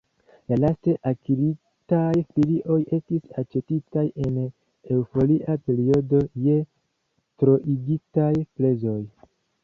La laste akiritaj filioj estis aĉetitaj en eŭforia periodo je troigitaj prezoj.